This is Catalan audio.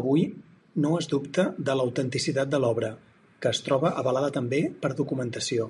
Avui no es dubta de l'autenticitat de l'obra, que es troba avalada també per documentació.